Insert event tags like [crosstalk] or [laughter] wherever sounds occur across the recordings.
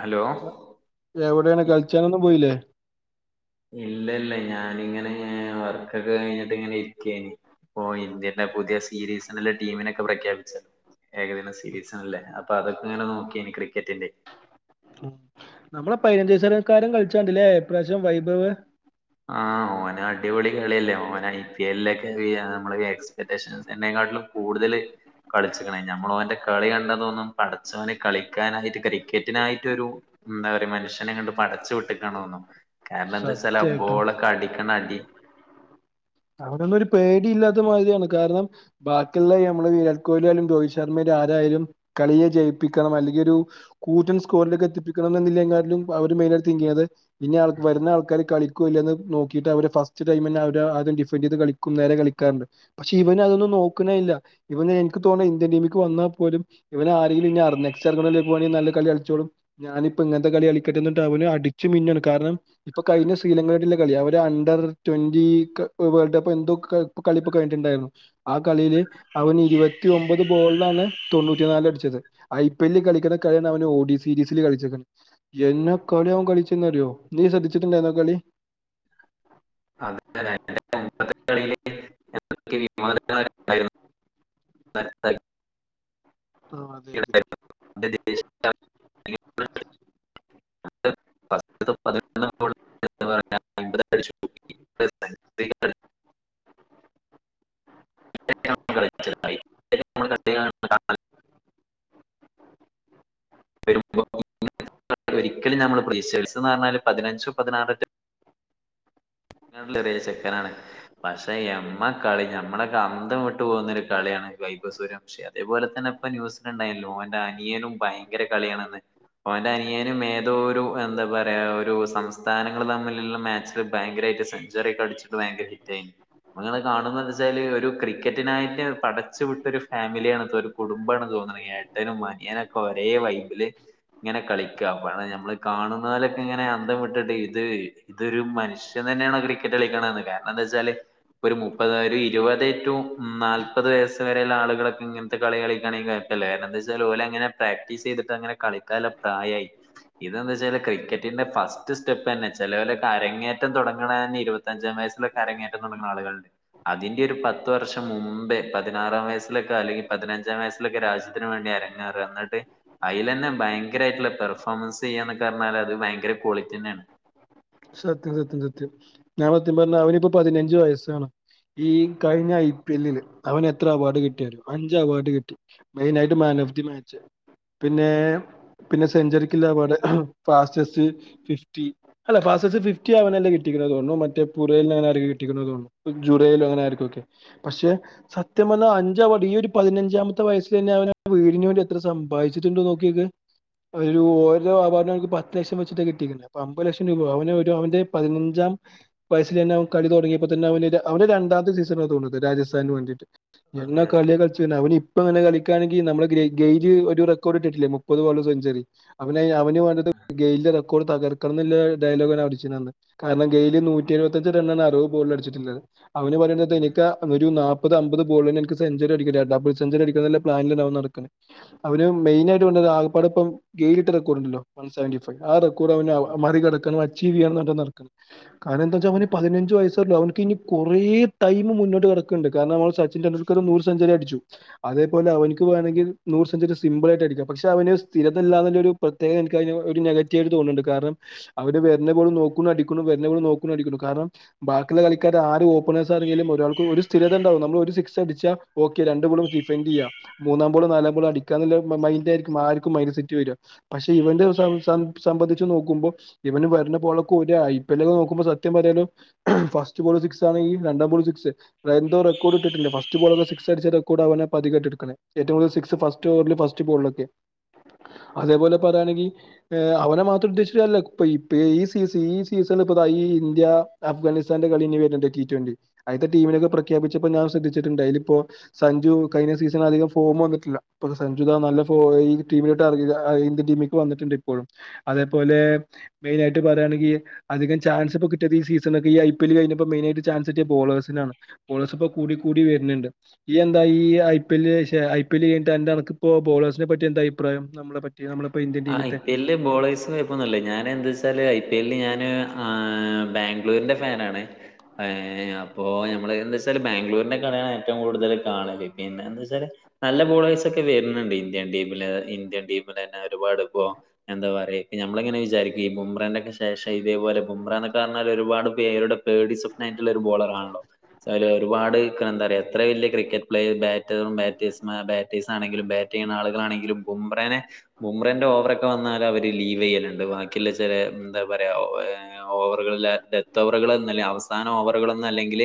Hello എവിടെയാണ് കളിച്ചാനൊന്നും പോയില്ലേ ഇല്ല ഇല്ല ഞാനിങ്ങനെ വർക്കൊക്കെ കഴിഞ്ഞിട്ട് ഇങ്ങനെ ഇരിക്കാന് ഇപ്പോ ഇന്ത്യന്റെ പുതിയ സീരീസണല് ടീമിനൊക്കെ പ്രഖ്യാപിച്ചോ ഏകദിനം സീരീസണല്ലേ അപ്പൊ അതൊക്കെങ്ങനെ നോക്കിനി ക്രിക്കറ്റിന്റെ നമ്മളെ പതിനഞ്ചസനക്കാരൻ കളിച്ചണ്ടില്ലേ എപ്രാവശ്യം വൈഭവ് ആഹ് ഓന് അടിപൊളി കളില്ലേ ഓൻ ഐ പി എൽ ഒക്കെ നമ്മള് എക്സ്പെക്ടേഷൻസ് തന്നെ ട്ട്ലും കൂടുതല് കളിച്ചിക്ക് ണ് നമ്മളോന്റെ കളി കണ്ടതൊന്നും പടച്ചവന് കളിക്കാനായിട്ട് ക്രിക്കറ്റിനായിട്ടോരു എന്താ പറയ മനുഷ്യനെ അങ്ങിട്ട് പടച്ചു വിട്ടിക്കണോന്നോ കാരണം എന്താവെച്ചാല് സത്യായിട്ടും ബോളൊക്കെ അടിക്കണ അടി അവരൊന്നും ഒരു പേടിയില്ലാത്ത മാതിരിയാണ് കാരണം ബാക്കിയുള്ള നമ്മളെ വിരാട് കോഹ്ലിയാലും രോഹിത് ശർമ്മയിലും ആരായാലും കളിയെ ജയിപ്പിക്കണം അല്ലെങ്കിൽ കൂറ്റൻ സ്കോറിലേക്ക്‌ എത്തിപ്പിക്കണന്നതിലെകാട്ലും അവര് മൈനായി തിങ്ക് ചെയ്തത് ഇനി അൾ വരുന്ന ആൾക്കാര് കളിക്ക്യോ ഇല്ലയോന്ന് നോക്കിട്ട് അവരെ ഫസ്റ്റ് ടൈമ് തന്നെ ആ ഒരു ഡിഫ് കളിക്കും നേരെ കളാറുണ്ട് പക്ഷെ ഇവന് അതന്നും നോക്കുന്നേ ഇല്ല ഇവ എനിക്ക് തോന്ന ഇന്ത്യൻ ടീമിക്ക് വന്ന ഇവരാരേലും നല്ല കളി കളിച്ചോളും ഞാനിപ്പം ഇങ്ങനത്തെ കളി കളിക്കട്ടെ അടിച്ചു മിന്നാണ് കാരണം ഇപ്പൊ കഴിഞ്ഞ ശ്രീലങ്കുള്ള കളി അവര് അണ്ടർ ട്വന്റി വേൾഡ് കപ്പ് എന്തോ കളിപ്പോ കഴിട്ടുണ്ടായിരുന്നു ആ കളിയില് അവൻ ഇരുപത്തി ഒമ്പത് ബോളാണ് തൊണ്ണൂറ്റി നല് അടിച്ചത് ഐ പി എല്ലിൽ കളിക്കണ കളിയാണ് അവൻ സീരീസിൽ കളിച്ചത് കളിയൻ കളിച്ച്ന്നറിയോ നീ ശ്രദ്ധിച്ചിട്ടുണ്ടായിന്നോ കളി എന്തൊക്കെ വിണ്ട ആ അതെ അതെ [unintelligible] തിന [unintelligible] [unintelligible] [unintelligible] ഒരിക്കലും നമ്മൾ പ്രീക്ഷിച്ചന്ന് പറഞ്ഞാല് പതിനഞ്ച് പതിനാറ് ട്ടിൽെറിയ ചെക്കനാണ് പക്ഷെ എമ്മ കളി മ്മളൊക്കെ അന്തം വിട്ട് പോകുന്നരു കളിയാണ് ബ സൂരം ക്ഷേ അതേപോലെ തന്നെ ഇപ്പൊ ന്യൂസിനണ്ടായില്ലോ അവന്റെ അനിയനും ഭയങ്കര കളിയാണന്ന് ഓന്റെ അനിയാനും ഏതോ ഒരു എന്താ പറയാ ഒരു സംസ്ഥാനങ്ങള് തമ്മിലുള്ള മാച്ചില് ഭയങ്കരമായിട്ട സെഞ്ചറി അടിച്ചിട്ട് ഭയങ്കര ഹിറ്റ്ായി നിങ്ങ കാണുന്ന വെച്ചാല് ഒരു ക്രിക്കറ്റിനായിട്ട് പടച്ചു വിട്ടൊ ഒരു ഫാമിലിയാണ് ഒരു കുടുംബണോ തോന്ന്ണ് ഏട്ടനും അനിയനൊക്കെ ഒരേ വൈ് ബില് ഇങ്ങനെ കളിക്കുക അ നമ്മള് കാണുന്നതിലൊക്കെ ഇങ്ങനെ അന്തം വിട്ടിട്ട് ഇത് ഇതൊരു മനുഷ്യൻ തന്നെയാണോ ക്രിക്കറ്റ് കളിക്കണന്ന് കാരണം എന്താ വച്ചാല് ഒരു മുപ്പതായി ഒരു ഇരുപത് ടു നാല്പത് വയസ് വരെയുള്ള ആളുകളൊക്കെ ഇങ്ങനത്തെ കളി കളിക്കാണെങ്കാര്യം രന്താ വെച്ചാലെ അങ്ങനെ പ്രാക്ടീസ് ചെയ്തിട്ട് അങ്ങന കളിക്കാലല്ല പ്രായ ആമായി ഇതന്താ വെച്ചാല് ക്രിക്കറ്റിന്റെ ഫസ്റ്റ് സ്റ്റെപ്പ്ന്നെ ചിലവലൊക്കെ അരങ്ങേറ്റ റ്റംടങ്ങണന് ഇരുപത്തഞ്ചാം വയസ്സിലൊക്കെ അരങ്ങറ്റം തുടങ്ങണ ആളുകളണ്ട് അതിന്റെ ഒരു പത്ത് വർഷം മുമ്പേ പതിനാറാം വയസ്സിലൊക്കെ അല്ലെങ്കിൽ പതിനഞ്ചാം വയസ്സിലൊക്കെ രാജ്യത്തിന് വേണ്ടി റങ്ങാറ് എന്നിട്ട് അതില തന്നെ ഭയങ്കരമായിട്ട് പെർഫോമൻസ് ചെയ്യാ എന്നൊക്കെ പറഞ്ഞാൽ അത് ഭയങ്കര ക്വാളിറ്റി തന്നെയാണ് സത്യം സത്യം സത്യം ഞാത്യം പറഞ്ഞ അവനിപ്പോ പതിനഞ്ച് വയസ്സാണ് ഈ കഴിഞ്ഞ ഐ പി എല്ലിൽ അവന് എത്ര അവാർഡ് കിട്ടിയാലോ അഞ്ച് അവാർഡ് കിട്ടി മെയിൻ ആായിട്ട് മ ഓഫ് ദി മാച്ച് പിന്നെ പിന്നെ സെഞ്ചുറിക്കുള്ള അവാസ് ഫാസ്റ്റസ്റ്റ് ഫിഫ്റ്റി അല്ല ഫാസ്സസ് ഫിഫ്റ്റി അവനല്ലേ കിട്ടിക്കുന്നത്തോന്ന മറ്റ പുറയിൽ അങ്ങന ആരിക്കും കിട്ടിക്കുന്നത്തോൂുറൽ അങ്ങെ ആയിരിക്കും ഒക്കെ പക്ഷെ സത്യം വന്ന അഞ്ച് അവാർഡ് ഈ ഒരു പതിനഞ്ചാമത്തെ വയസ്സിൽ തന്നെ അവന് വീടിന് വേണ്ടി എത്ര സം വായിച്ചിട്ടുണ്ട് നോക്കി ഒരു ഓരോ ആഭക്ക് പത്ത് ലക്ഷം വച്ചിട്ട് കിട്ടിയിണ്ട് അ അമ്പത് ലക്ഷം ര അവ അവന്റെ പതിനഞ്ചാം വയസിൽ തന്നെ അവ കളി തുടങ്ങിയപ്പോ തെ അവ അവന്റെ രണ്ടാമത്തെ സീസൺ തോന്നുന്നത് രാജസ്ഥാന് വേണ്ടട്ട് അതെ അതെ കളി കള അവപ്പെ കള ണെങ്കി നമ്മ ഗെ ഒരു റെക്കോർഡ് ഇട്ടിട്ടില്ലേ മുപ്പത് സെഞ്ചറി അവന് വത് ഗെ റെക്കോർഡ് തകർക്കുന്നില്ല ഡയലോഗ്ണ്ണ് അഠിച്ചന്ന് കാരണം ഗയില് നൂറ്റി എുപത്തഞ്ച് റണ്ണണ് അറുപത്വ ഗോളിൽ അടിച്ചിട്ടുള്ളത് അവന് പറയ ഉം എനിക്ക് ഒരു നാപ്പത് അമ്പത് [unintelligible] നെൻക് സെഞ്ചറി അടികല് ഡബിൾ സെഞ്ചറി അടിക്കുന്നെന്നെ പ്ലാനില് നടക്കുന്നെ അവര് മെയ്ന്നായിട്ട് പറഞ്ഞേ ആകപ്പാടെ എപ്പം ഗേലിട്ട് റെക്കോർട്ണ്ടല്ലോ ഹംസെവെന്റി ഫൈവ് ആ റെ കുടെ മുന്നാഉ ഉം അ മറികടക്കണം അച്ചീവ് ചെയ്യനട കാരണം എന്താച്ചാൽ ഉം. അവന് പതിനഞ്ച വയസല്ല അവ ട്ടിനി കുറേ ടൈമ് മുന്നോട്ട് പോവാ നിക്ണ്ട് കര്ണ മ്മ സച്ചിൻ ടെുൽക്കർ നൂറ് സെഞ്ചറി അടിച്ചു അതേപൊലെ അവൽക് വേണെങ്കി നൂ സെന്ഞ്ച സിമ്പിൾ ആയിട്ടടിക്കാ പക്ഷെ അവന് സ്ഥിരതല്ലാതൊരു പ്രത്യേകൻക്കയ്ന് ഒരു നെഗറ്റീവ് എയ് തോന്ന്ണ്ട് കാരണം അവര് വരുന്ന പോൽ നോകുണു അടികുണു വരുന്ന പോൽ നോക്ണു അടികുണു കാരണം ബാക്കിയുള്ള കളിക്കാര് ആര് ഓപ്പണേസ് ആണെങ്കില് രാൾക്ക് ഒരു സ്ഥിരത ണ്ടാവ നമ്മള് രു സിക്സ് അടിച്ച ഓകെ രണ്ട്ബോള് സിഫൈന്റെയ്യാ മൂന്നാം ബോളും നാലാംബോളും അടിക്ക അതെല്ലേ മ മൈൻഡായിരിക്കും ആർക്കും മൈനസിറ്റി വെര പക്ഷെ ഇവന്റെ സം സം സംബന്ധിച്ച് നോക്കുമ്പോ ഇവന് വര്ന്ന പോലൊക്കെ ഒരു ഐ പി എൽ നോക്കുമ്പോ സത്യം പറയാലോ ഫസ്റ്റ് ബോള് സിക്സ് ആണെങ്കി രണ്ടാം ബോള് സിക്സ് സ് എന്തോ റെക്കോഡ് ഇട്ടുണ്ട് ഫസ്റ്റ് ബോളെന്നെ സിക്സ് അടിച്ച റെക്കോഡ് അവനെ പതികെട്ട്ട്ക്ക്‌ണെ ഏവും കുടുത സിക്സ് ഫസ്റ്റ് ബെല് ഫസ്റ്റ് പോൾളൊക്കെ അതേപോലെ പറയയാണെങ്കി എ അവനെ മാത്രം ഉദ്ദേശിച്ട്ട് കാര്യല്ല ഇപ്പൊ ഇപ്പ ഈ സീസ ഈ സീസണ ഇപ്പത ഈ ഇന്ത്യ അഫ്ഗാനിസ്ഥാന്റെ കളി ഞ്ഞി വരുണ്ട് ടി ട്വന്റി ആദ്യത്തെ ടീമിനൊക്കെ പ്രഖ്യാപിച്ചപ്പോ ഞാൻ ശ്രദ്ധിച്ചിട്ടുണ്ട് അയില് ഇപ്പോ സഞ്ചുകഴിഞ്ഞ സീസണിലധികം ഫോം വന്നിട്ടില്ല സഞ്ജുത നല്ല ഫോ ഈ ടീമിലോട്ട് അ ഇന്ത്യൻ ടീമ്ക്ക് വന്നിട്ടുണ്ട് പ്പോഴും അതേപോലെ മെയിനായിട്ട് പറുകയാണെങ്കി അധിക ചാൻസ് പ്പ കിട്ടിയത്ഈ സീസണൊക്കെ ഇ ഐ പി എൽ കിഞ്ഞപ്പോ മെയിനായിട്ട് ചാൻസ് ട്ടിയ ബോൾ പേസിനാണ് പേസ്പ കൂടി കൂടി വര്ണ് ണ്ട് ഈ എന്താ ഈ ഐ പി ല്ല് ശെ ഐ പി എല് ഴിഞ്ഞട്ട് എനക് പ്പോ ബോളേഴസിനെ പറ്റി എന്ത അയിപ്രായം നമ്ളെ പറ്റ് അ ഐ പി എല് ബോളേഴ്സ്ന് പ്പന്നല്ലേ ഞാൻ എന്താ വെച്ചാല് ഐ പി എല്ഞാന് ആ ബാംഗ്ലൂരിന്റെ ഫാനാണ് ഏ അപ്പൊ എമ്മള് എന്ത വെച്ചാല് ബാംഗ്ലൂരിന്റെ കളയാണ് ഏറ്റവും കൂടുതല് കാണ പിന്നെ എന്നാവെച്ചാല് നല്ല ബോളേഴ്സ് ഒക്കെ വരുന്നുണ്ട് ഇന്ത്യൻ ടീമില് ഇന്ത്യൻ ടീമില്ന്നെ ഒരുപാട് ഇപ്പോ എന്താ പറയ ഇ നമ്മളെങ്ങനെ വിചാരിക്കും ഈ കുബ്രെന്റെക്കെ ശേഷം ഇതേപോലെ ബുംബ്രാ ന്നൊക്കെ പർഞാല് ഒരുപാട് പേര്ടെ പേടി സ്വപ്നായിട്ടുള്ള ഒരു ബോളർ ആണോ എ ഒരുപാട്ക് എന്താ പറയ എത്ര വലിയ ക്രിക്ക ക്കറ്റ് പ്ലേ ബാറ്ററൂം ബാറ്റേസ്മാ ബാറ്റേഴ്സ് ആണെങ്കിലും ബാറ്റ് ചെയ്യുന്ന ആളുകളാണെങ്കിലും കുമ്പ്രനെ ബുംബ്രെന്റെ ഓവറൊക്കെ വന്നാൽ അവര് ലീവ് യ്യലുണ്ട് ബാക്കിയുള്ള ചേലെ എന്താ പറയ ഓവ് ഓവറുകൾ ലാസ്റ്റ് ടെസ്റ്റ് ഓവറുകൾ ഒന്നുംല്ല അവസാന ഓവറുകളൊന്നും അല്ലെങ്കിൽ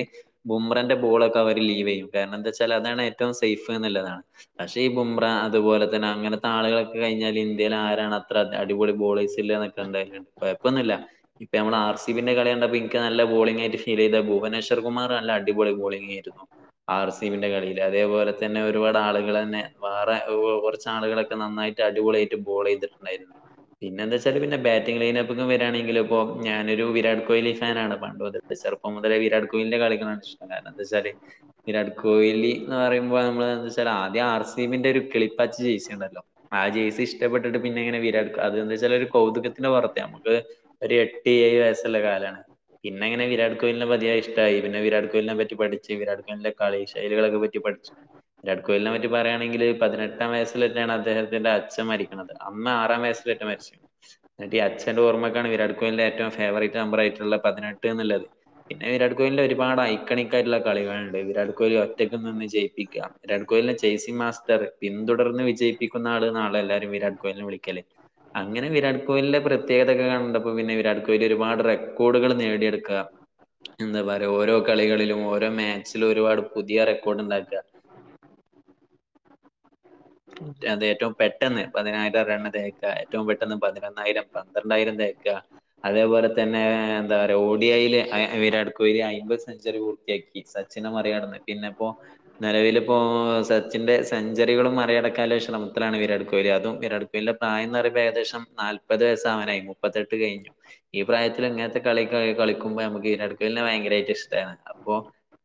ബുംബ്രെന്റെ ബോളൊക്കെ അവര് ലീവെയ്യുംകാര എന്താ വെച്ചൽ അതാണ് ഏറ്റവും സേഫ് എന്നുള്ളതാണ് പക്ഷെ ഈ ബുംബ്രാ അതുപോലെ തന്നെ അങ്ങനത്തെ ആളുകൾ കെ കഴിഞാല് ഇന്ത്യല് ആരാണ് അത്ര അടിപൊളി ബോളേയ്സ് ല്ല ന്നെട്ടെന്തായാലു കൊഴപ്പൊന്നുല്ല ഹർസിബിന്റെ കളി കണ്ടപ്പോ എനിക്ക് നല്ല ബോളിംഗ ആയി് ഫീൽ ചെയ്തത് ഭുവനേഷർ കുമാർ നല്ല അടിപൊളി ബോളിംഗയിരുന്നു ആർ സി പി്ന്റെ കളിയിൽ അതേപോലെ തന്നെ ഒരുപാട് ആളുകൾ ന്നെ വേറെകു കുറച്ച് ആളുകളൊക്കെ നന്നായി അടിപൊളിയായിട്ട് ബോൾ യ്തിട്ടുണ്ടായിരുന്നു പിന്നെ എന്താ ച്ചാല് പിന്നെ ബാറ്റിംഗ് ലൈനപ്പ്ങ്ങും വരാണെങ്കില് ബോം ഞാനൊരു വിരാട് കോയ്ലി ഫാനാണ് പണ്ട്മു ചെറുപ്പം മുതലെ വിരാട് കോയ്ലി ന്റെ കളാണ് ഇഷ്ടം കാരണം എന്താ വെച്ചാല് വിരാട് കോഹ് ലി ന്ന് പറയുമ്പോ നമ്മള് ന്ന് വെച്ചാലാദ്യം ആർ സി എമ്മിന്റെ ഒരു കിളപ്പാിേച്ചിയുണ്ടല്ലോ ആ ജയ്സി ഇഷ്ടപ്പെട്ടിട്ട് പിന്നെ എങ്ങനെ വിരാട്ക അത് എന്താ വച്ചാലൊരു കൗതുകത്തിന്റെ വറത്തെ നമുക്ക് ഒരു എട്ട് എ വയസ്സുള്ള കാലാണ് പിന്നെങ്ങെനെ വിരാട് കോഹലിനെപതിയഷ്ടയി പിന്നെ വിരാട്ഹലിനെ പറ്റിപഠിച്ച് വിരാട് കോലി കളി ശൈലികളക്കെ പറ്റി വിരാട് കോഹലിനെ പറ്റി പറയാണെങ്കിൽ പതിനെട്ടാം വയസ് ലെറ്റാണ് അദ്ദേഹ തിന്റെ അഛൻ മരിക്കുന്നത് അന്ന് ആറാം വയസ്ലെറ്റ മരിച് ന്നിട്ട് അച്ഛന്റെ ഓർമ്മക്കാണ് വിരാട് കോഹലിന്റെ ഏറ്റവും ഫേവറേറ്റ് നമ്പർ ആയിട്ടുള്ള പതിനെട്ട്ന്നല്ലത് പിന്നെ വിരാട് കോഹലിന്റെ ഒരുപാട് ഐക്കണിക്കായിട്ടുള്ള കളികളുണ്ട് വിരാട് കോഹലി ഒറ്റക്ക് ന്ന്ന്ന് ജയിപ്പിക്കാ വിരാട് കോ ല്ലെ ജയ്സിമ് മാസ്റ്റർ പിന്തുടർന്ന് വിജയിപ്പിക്കുന്ന ആള് നാളെ എല്ലാരും വിരാട് കോഹ്ലിെ വിളിക്കല് അങ്ങനെ വിരാട് കോഹ്ലിന്റെ പ്രത്യേകതൊക്കെ കണ്ടപ്പോ പിന്നെ വിരാട് കോഹ്ലി ഒരുപാട് റെക്കോർഡുകൾ നേടിയെടുക്ക എന്താ പറയ ഓരോ കളികളിലും ഓരോ മാച്ചിലും ഒരുപാട് പുതിയ റെക്കോർഡ് ണ്ടാക്ക ഉ അത് ഏറ്റവും പെട്ടെന്ന് പതിനായിരം റണ് തേക്ക ഏറ്റവും പെട്ടെന്ന് പതിനൊന്നായിരം പന്ത്രണ്ടായിരം തേക്ക അതേപോലെ തന്നെ എന്താ പറയാ ഓഡിയയില്എ വിരാട് കോഹ്ലി അയ്മ്പത് സെഞ്ചുറി പൂർത്തിയാക്കി ഇ സച്ചിന മറികടന്ന് പിന്നെ പ്പോ നിലവിലിപ്പോ സച്ചിന്റെ സെഞ്ചറികളും മറി കട കേലേഷ നമത്തിലാണ് വിരാട് കോഹ് ലി അതും വിരാട് കോഹ് ലിടെ പ്രായംന്ന് പറയ്മ്പ ഏകദേശം നാൽപ്പത് വയസ്സാവനായി മുപ്പത്തെട്ട് കഴിഞ്ഞു ഈ പ്രായത്തിൽ ഇങ്ങനത്തെ കളി കളിക്കുമ്പോ നമുക്ക് ഈരടുക്ക തന്നെ ഭയങ്കരമായിട്ട് ഇഷ്ടമാണ് അപ്പോ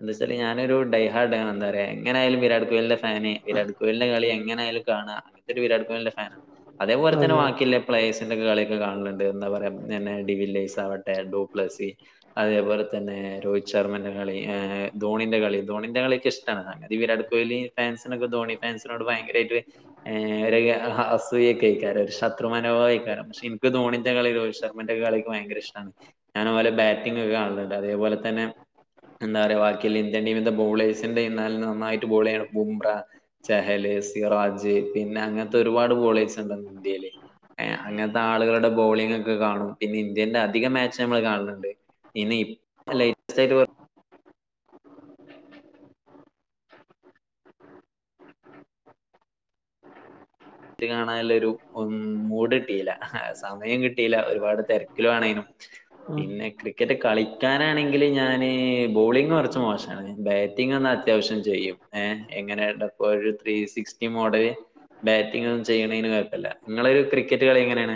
എന്താച്ചാ ഞാനൊരു ഡൈഹാഡ എന്താ പറയാ എങ്ങനെയായാലും വിരാട് കോഹ്ലിന്റെ ഫാന് വിരാട് കോഹലിന്റെ കളി എങ്ങനൊല കാ അങ്ങനത്തെ ഒരു വിരാട് കോഹലി ഫ അതേപലെ തന്നെ അതെ ബാക്കേ് കളൊെ കാണണ്ട് എന്താ പറയാെ ഡിവേസ് ആവട്ടെ ഡൂപ്ലസി അതേപോലെ തന്നെ രോഹിത് ശർമ്മന്റെ കളി ധോണിന്റെ കളി ധണിന്റെ കളൊിക്കെ ഇഷ്ട സംതി വിരാട് കോഹ്ലി ഫാൻിനന്റെ ധോണി ഫാസിനോട് ഭയങ്ക അസൂയൊക്കെ കയിക്കാറ ഒരു ശത്രുമാനോ കയിക്കാറ പക്ഷെ എനിക്ക് തോണി കള രോഹി ശർമ്മന്റെ ഒക്കെ കളക്ക് ഭയങ്കരഷ്ടമാണ് ഞാാനതുപോലെ ബറ്റിംഗ്ക്കെ കാണിുന്നുണ്ട് അതേപോലെ തന്നെ എന്താ പറയാ ബാക്കിയൽ ഇന്ത്യൻ ടീമിന്റെ ബോളേഴ്സിന്റെ എന്ന നന്നായിട്ട് ബോൾ ചെയ്യ ബും്ര ചഹലേസ് റാജ് പിന്നെ അങ്ങനത്തെ ഒരുപാട് പോളേഴ്സ് ഉണ്ട ഇന്ത്യയില് അങ്ങനത്തെ ആളുകളുടെ ബോളിംഗ ഒക്കെ കാണും പിന്നെ ഇന്ത്യന്റെ അധികം മാച്ച് നമ്മൾ കാണണണ്ട് ഇനി ലേറ്റസ്റ്റ് ആയിട്ട് വ റ്റ് കാണാള്ളഒരു ഉം മൂഡ് ട്ടില്ല സമയം കിട്ടിയില്ല ഒരുപാട് തെരക്കിലണേനും ഉം പിന്നെ ക്രി ക്രിക്കറ്റ് കളിക്കാനാണെങ്കില് ഞാന് ബോളിംങ്ങ് കുറച്ച് മോശം ആണ് ബാറ്റിംഗ് ആണെ അത്യാവശ്യം ചെയ്യും ഏ എങ്ങനെയ്ണ്ടപ്പോ ഒരു ത്രീ സിക്സ്റ്റി മോഡല് ബാ ഇങ്ങനെന്നും ചെയ്യണെന് കൊഴപ്പല്ല നിങ്ങള് ക്രിക്കറ്റ് കളി എങ്ങനെയാണ്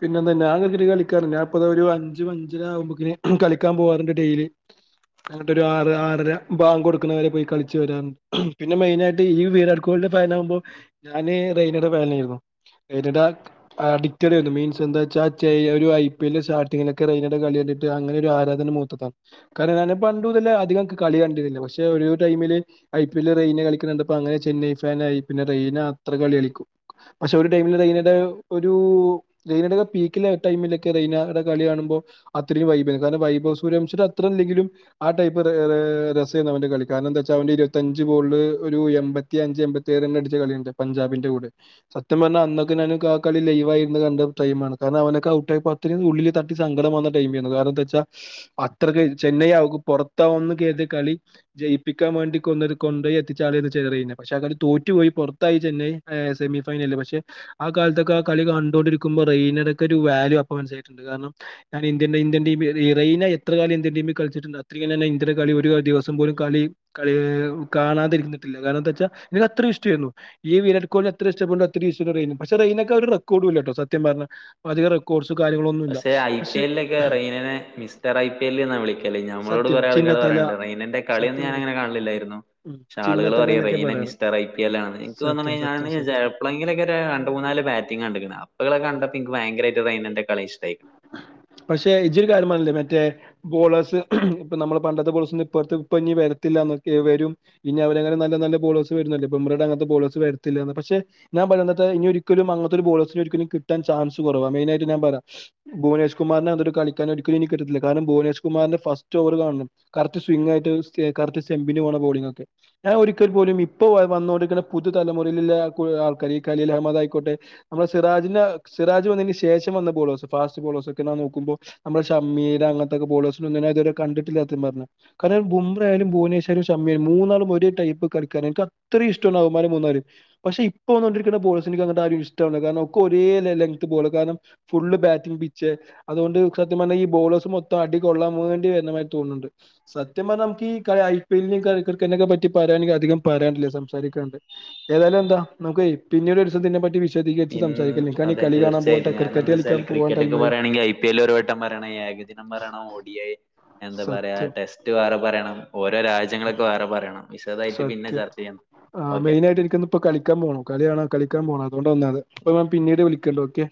പിന്നെ എന്താ ഞാൻ ക്രിക്കറ്റ്‌ കളിക്കാറണ്ട് ഞാ പ്പ ദാ ഒര് അഞ്ചു അഞ്ചര ആകുമ്പോക്കിന് കളിക്കാൻ പോവാറ്ണ്ട് ഡെയിലി അങ്ങട്ടൊരു ആറ് ആറര ബാങ്കു കൊടുക്കുന്നവരെ പോയി കളിച്ചു വരാറുണ്ട് പിന്നെ മെയിനായിട്ട് ഈ വിരാട് കോഹലി ഫനാകുമ്പോ ഞൻ റെയിനെടെ ഫാനയിരുന്നു റെയിനെടെ അടിക്റ്റഡ് ആരുന്നു മെയിൻ ച്ച് എന്താച്ചാ ചെയ്യൊരു ഐ പി എല്ല് സ്റ്റാർട്ടിങ്ങിലൊക്കെ റയ്നടെ കളി കണ്ടിട്ട് അങ്ങനെ ഒരു ആരാധന മൂത്തതാ കാര ഞാന് പണ്ട് മുതലെ അധികം കളി കണ്ടിരുന്നില്ല പക്ഷേ ഒരു ടൈമില് ഐ പി എൽ റെയിന കളിക്കുന്ന കണ്ടപ്പം അങ്ങനെ ചെന്നൈ ഫാനായി പിന്നെ റെയിന അത്ര കളി കളിക്കും പഷേ ഒരു ടൈമില് റെയ്നെടെ ഒരു റയിനെടെ പീക്കിലെ ടൈമിലൊക്കെ റയ്നടെ കളി കാണുമ്പോ അത്രയും വൈബ് ആര്ന്നു കാരണം വൈഭവ സൂര്യംശിടെ അത്ര തെങ്കിലും ആ ടൈപ്പ് രെ രെ രസേയ്രുന്നു അവന്റെ കളി കാരണം എന്താെച്ചാ അവ ഇരുപത്തഞ്ച് ബോൾല് ഒരു എമ്പത്തി ത്തിയഞ്ച് എമ്പത്തെഴണ്ണം അടിച്ച കളിയ്ണ്ട് പഞ്ചാബിന്റെ കൂടെ സത്യം പറഞ്ഞാ അന്നൊക്കെ ഞാന് ആ കളി ലൈവായിര്ന്ന് കണ്ട് ടൈമാണ് കാരണം അവനൊക്കെ ഔട്ട് ആയി പത്തിന് ഉള്ളിൽ തട്ടി സങ്കടം വന്ന ടൈമ് ആര്ന്ന് അത് തേച്ച അത്രക്ക് ചെ നിയാകും പുറത്തന്ന് കര്തി കളി ജയിപ്പിക്കാൻ വാണ്ടി കൊണ്ടപയി എത്തിച്ചാള ചെയ്തത് കയിഞ്ഞത് പഷേ കളി തോറ്റുപോയി പുറത്തായി ചെന്നൈ സെമിഫൈനലില് പക്ഷെ ആ കാലത്തൊക്കെ ആ കളി കണ്ടൊണ്ടിരിക്ക ക്കുംഭം റയ്നടെക്കെ ഒരു വാൽയു അപ്പൊ മനസ്സായിട്ട്ണ്ട് കാരണം ഞാൻ ഇന്ത്യടീം ഏത് റയ്ന എത്ര കാലം ഇന്ത്യൻ ടീം കളിച്ചിട്ട്ണ്ട് അത്രക്ക്‌ തന്നെ ഇന്ത്യടെ കളി ഒരു ദിവസം പോലും കളി ക കാണാതിരിക്കിട്ടില്ല കാരണം എന്താച്ചാ നിക്ക് അത്ര ഇഷ്ടവായിര്ന്നു ഇയ്യ് വിരാട് കോഹലി അത്ര ഇഷ്ടപ്പെട്ണ്ടൊ അത്രയും ഇഷ്ടയിര്ന്ന് റയിന ആ ഒരു റെക്കോടും ഇല്ലട്ടോ സത്യം ത്യം പറഞ്ഞ അധികം റെക്കോഡ്സ് പക്ഷെ ഐ പി എല്ല് ക്കെ റയ്നെനെ മിസ്റ്റർ ഐ പി എല്ല് എന്നാ വിളിക്കല് ഞമ്മളോട് സത്യം കുറെ ആളുകൾ പറ ചിന്നത്തല ണ്ട് റയ്നന്റെ സത്യം കളിയൊന്നുംഞാന പറ അങ്ങനെ കാണലില്ലായിരുന്നു ഉം പക്ഷെ ആളുകള് ചിന്നത്തല പറയാ എന്നൊക്കെയാ റെയിന പറയാറ്. മിസ്ർ ഐ പി എ ആണ് എക്ക് സത്യം സത്യം തോന്നുന്നെ സത്യം. ചെലപ്പ്ളെങ്കിലൊക്കെ രണ്ട് മൂന്നല് ബാറ്റിങ്ങ് കണ്ടക്ക്‌ണ് അപ്പകളെ കണ്ടപ്പോ എനിക്ക്‌ ഭയരമയിട്ട് റയ്നാന്റെകളി ഇഷ് പഷേ ഇജ് ഒരു കാര്യം പറഞ്ഞില്ലേ മറ്റേ ബോളേഴ്സ് ഇപ്പ നമ്മള് പണ്ടത്തെ ബോളേഴസ് ഇപ്പട്ത്ത് ഇപ്പ ഇനി വരത്തില്ല എന്നൊക്കെ വരും ഇനി അവരങ്ങനെ നല്ല നല്ല ബോഴസ് വരുന്ന ബോമറ അങ്ങത്തെ ബോളഴസ് വരത്തില്ലന്ന് പക്ഷെ ഞാൻ പറഞ്ഞത്തെ ഇനി ഒരിക്കലും അങ്ങത്തെ ഒരു ബോളെഴ്സ് ഇനി ഒരിക്കലും കിട്ടാൻ ചാൻസ് കുറവാ മേയിനായിട്ട് ഞാൻ പറയാം ഭുവനേഷ് കുമാറിന് അതൊരു കളിക്കാനൊരു ക്ലിനിക് ഇട്ടിട്ടില്ലാ കാരണം ഭുവന് കുമാറിന്റെ ഫസ്റ്റ് ഓവർ കാണണം കറക്റ്റ് സ്വിങ്ങ് റ്റുസ് കറക്ട് സെമ്മിന് ബൌളിംഗ് ഞാൻ ഒരിക്കൽ പോലും ഇപ്പോ വന്നോണ്ടിരിക്ക പു തലുറയില്ള്ളെ ആൾക്കാർ ഈഖീൽ അഹമ്മദ് ആയിക്കോട്ടെ നമ്മുടെ സിറാജിന് സിറാജ് വന്നതിന് ശേഷം വന്ന ബോളോഴ്സ് ഫാസ്റ്റ് ബോളെഴ്‌ ഒക്കെ ഞാൻ നോക്ക്മ്പോ നമ്മഷമ്മിടെ അനത്തെക്കെ ബളേഴിനെഒന്നും ഇതുവരെ കണ്ടിട്ടില്ല പറഞ്ഞെ ബുംമ്റ ആയാലും ഭുവനേശവരും ഷ മ്മിയാലും മൂന്നാളും ഒരു ടൈപ്പ് കിക്കാരാ എനിക്ക് അത്ര ഇഷ്ട്ടാണ് അവൻ മാരെ മൂന്നാളും പഷേ ഇപ്പ വന്നൊണ്ടിരിക്കുന്ന ബളെഴ്‌സിനെ എനിക്ക് അങ്ങട്ട് ആരേം ഇഷ്ടമാകുന്നില്ല കാരണം ഒക്കെ ഒരേ ലെങ് ബോൾ കാരണം ഫുള്ള് ബാറ്റ് അതുകൊണ്ട് സത്യം പറഞ്ഞ ഈ ബോളേഴ്സ് മൊത്തം അടി കൊള്ളാൻ വേണ്ടി വരുന്നമായി തോന്നുന്നുണ്ട് സത്യം നമ ഐ പി എല്ലിന ക്രിക്കറ്റിനെ പറ്റി പറയെങ്കിൽ അധികം പറയില്ലേ സംസാണ്ട് ഏതായാലും എന്താ നമുക്കെയ് പിന്നീട് ഒരുദിവസം ഇതിനെപ്പറ്റി വിശദീകരിച്ച് പിൻ സംസാരിക്കാം ഈ കളി കാണാൻ പോകണ്ട് ക്രിക്കറ്റ് കളിക്കാം കറ്റക്കെ പറയാണെങ്കിൽ ഐ പി എൽ ഒരു വട്ടം പറയണം ഏകദിനംരണോഓ ഡി ഐ എന്താ പറയാ സത്യം. ടെസ്റ്റ് വേറെ പറയണം ഓരോ രാജ്യങ്ങളൊക്കെ വേറെ പറയണം വിശദായിട്ട് പിന്നെ സത്യം ചർച്ച ചെയ്യാം ആ ഓക്കെ മെയിനായിട്ട് എനിക്കോന്ന് ഇപ്പൊ കളിക്കാൻ പോണം കളിയണോ കളിക്കാൻ പോണം അതുകൊണ്ട് വന്നാത് അപ്പൊ ഞൻ പിന്നീട് വിളിക്കണ്ട് ഓക്കെ